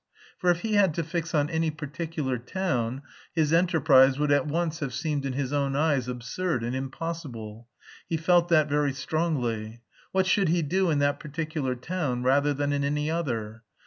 For if he had to fix on any particular town his enterprise would at once have seemed in his own eyes absurd and impossible; he felt that very strongly. What should he do in that particular town rather than in any other?